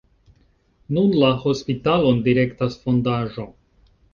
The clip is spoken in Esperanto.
Nun la hospitalon direktas fondaĵo.